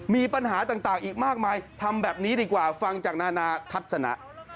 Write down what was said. มีปัญหาต่างอีกมากมายทำแบบนี้ดีกว่าฟังจากนานาทัศนะ